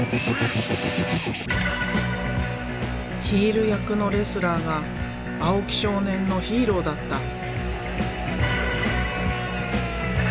ヒール役のレスラーが青木少年のヒーローだった。